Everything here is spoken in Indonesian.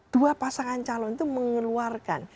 dua pasangan calon itu mengeluarkan